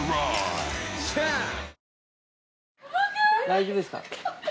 大丈夫ですか？